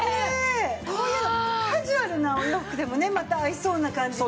こういうのカジュアルなお洋服でもねまた合いそうな感じの。